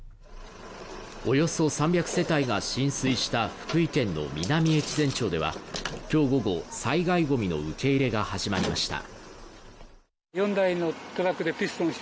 およそ３００世帯が浸水した福井県の南越前町では今日午後、災害ごみの受け入れが始まりました。